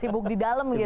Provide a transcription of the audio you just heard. sibuk di dalam gitu ya